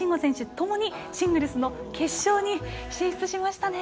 ともにシングルスの決勝に進出しました。